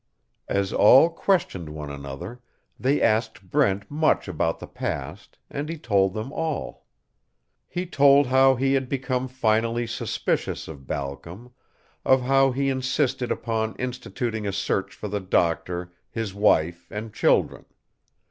As all questioned one another, they asked Brent much about the past, and he told them all. He told how he had become finally suspicious of Balcom, of how he insisted upon instituting a search for the doctor, his wife, and children.